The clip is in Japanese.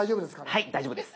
はい大丈夫です。